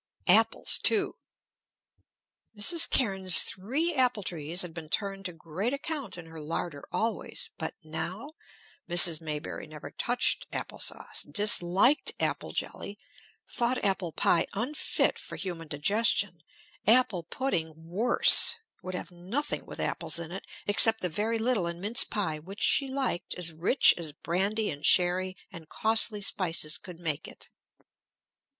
Apples, too. Mrs. Cairnes's three apple trees had been turned to great account in her larder always; but now, Mrs. Maybury never touched apple sauce, disliked apple jelly, thought apple pie unfit for human digestion, apple pudding worse; would have nothing with apples in it, except the very little in mince pie which she liked as rich as brandy and sherry and costly spices could make it.